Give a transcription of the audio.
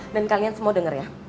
dan kalian semua denger ya